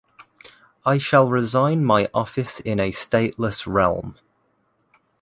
I shall resign my office in a stateless realm.